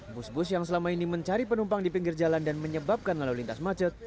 bus bus yang selama ini mencari penumpang di pinggir jalan dan menyebabkan lalu lintas macet